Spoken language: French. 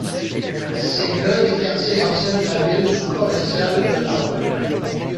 C'est l'un des quartiers anciens de la ville sous-provinciale de Harbin.